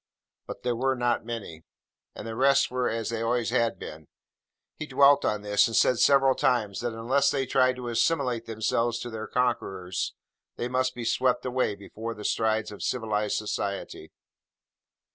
But they were not many; and the rest were as they always had been. He dwelt on this: and said several times that unless they tried to assimilate themselves to their conquerors, they must be swept away before the strides of civilised society.